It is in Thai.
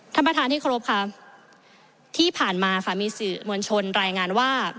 ท่านประธานที่เคารพค่ะที่ผ่านมาค่ะมีสื่อมวลชนรายงานว่า